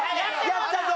やったぞ！